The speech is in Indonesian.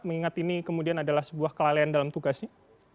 mengingat ini kemudian adalah sebuah kelalaian dalam tugasnya